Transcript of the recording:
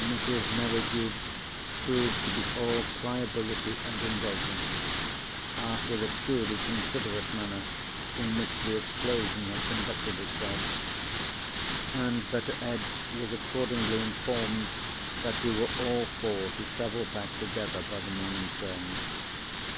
Mrs. Merridew proved to be all pliability and indulgence, after the truly considerate manner in which the explosion had conducted itself; and Betteredge was accordingly informed that we were all four to travel back together by the morning train.